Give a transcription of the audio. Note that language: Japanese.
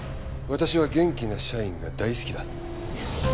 私は元気な社員が大好きだ。